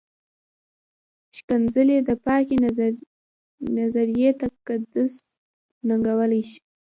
ښکنځلې د پاکې نظریې تقدس ننګولی شي.